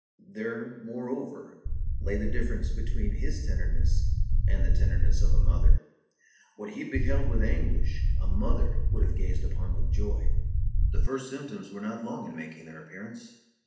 There, moreover, lay the difference between his tenderness and the tenderness of a mother. What he beheld with anguish, a mother would have gazed upon with joy. The first symptoms were not long in making their appearance.